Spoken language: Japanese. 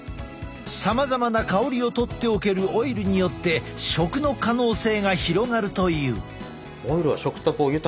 さまざまな香りを取っておけるオイルによって食の可能性が広がるという。